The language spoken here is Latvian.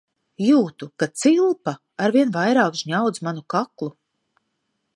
"Jūtu, ka "cilpa" arvien vairāk žņaudz manu kaklu."